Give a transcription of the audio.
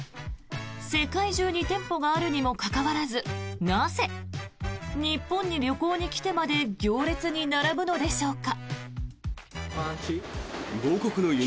世界中に店舗があるにもかかわらずなぜ、日本に旅行に来てまで行列に並ぶのでしょうか。